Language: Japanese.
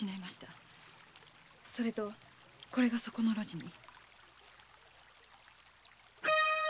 それとこれがそこの路地に。